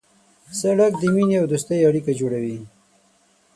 سړک د مینې او دوستۍ اړیکه جوړوي.